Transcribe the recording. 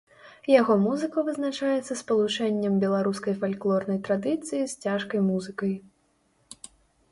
Яго музыка вызначаецца спалучэннем беларускай фальклорнай традыцыі з цяжкай музыкай.